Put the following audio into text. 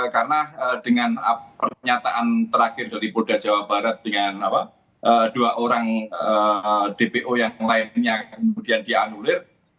karena dengan pernyataan terakhir dari polda jawa barat dengan dua orang dpo yang lainnya kemudian dianulir